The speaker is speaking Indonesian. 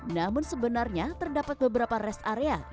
namun sebenarnya terdapat beberapa rest area